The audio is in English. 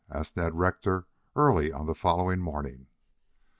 asked Ned Rector early on the following morning.